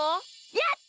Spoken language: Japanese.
やった！